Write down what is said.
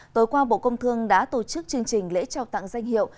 tối qua bộ công thương đã tổ chức chương trình lễ trao tặng danh hiệu